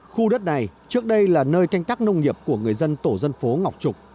khu đất này trước đây là nơi canh tác nông nghiệp của người dân tổ dân phố ngọc trục